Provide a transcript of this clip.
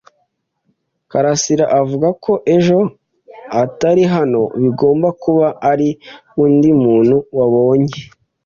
karasira avuga ko ejo atari hano. Bigomba kuba ari undi muntu wabonye.